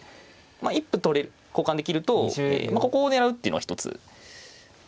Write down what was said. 一歩交換できるとここを狙うっていうのは一つえ